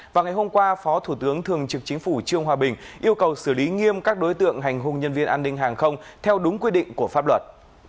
và ngày hôm qua phó thủ tướng thường trực chính phủ trương hòa bình yêu cầu xử lý nghiêm các đối tượng hành hung nhân viên an ninh hàng không theo đúng quy định của pháp luật